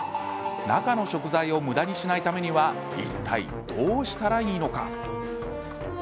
中の食材をむだにしないためにはいったいどうしたらいいのか。